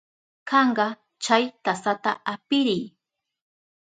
Kanka, chay tasata apiriy.